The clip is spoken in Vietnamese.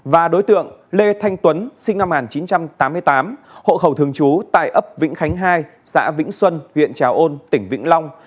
và đối tượng lê thanh tuấn sinh năm một nghìn chín trăm tám mươi tám hộ khẩu thường trú tại ấp vĩnh khánh hai xã vĩnh xuân huyện trà ôn tỉnh vĩnh long